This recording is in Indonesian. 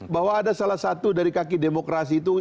bahwa ada salah satu dari kaki demokrasi itu